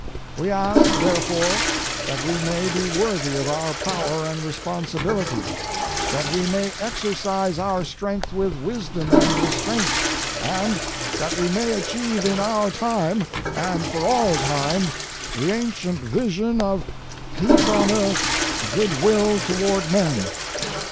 We ask, therefore, that we may be worthy of our power and responsibility, that we may exercise our strength with wisdom and restraint, and that we may achieve in our time and for all time the ancient vision of "peace on earth, good will toward men."